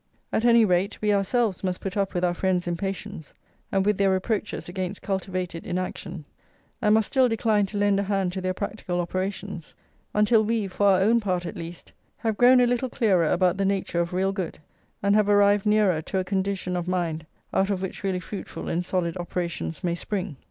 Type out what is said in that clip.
At any rate, we ourselves must put up with our friends' impatience, and with their reproaches against cultivated inaction, and must still decline to lend a hand to their practical operations, until we, for our own part at least, have grown a little clearer about the nature of real good, and have arrived nearer to a condition of mind out of which really fruitful and solid operations may spring.